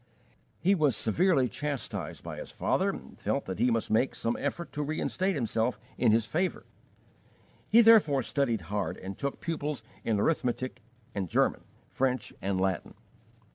He was severely chastised by his father and felt that he must make some effort to reinstate himself in his favour. He therefore studied hard and took pupils in arithmetic and German, French and Latin.